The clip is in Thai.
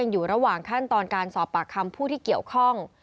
อยู่ระหว่างขั้นตอนการสอบปากคำผู้ที่เกี่ยวข้อง